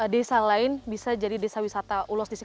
desa lain bisa jadi desa wisata ulos disini